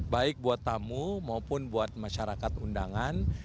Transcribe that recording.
baik buat tamu maupun buat masyarakat undangan